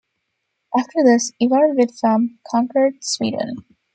After this, Ivar Vidfamne conquered Sweden.